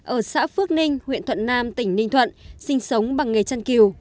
ở xã phước ninh huyện thuận nam tỉnh ninh thuận sinh sống bằng nghề chăn kiều